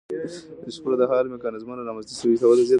د شخړو د حل میکانیزمونه رامنځته شوي دي